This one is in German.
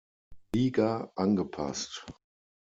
Liga angepasst.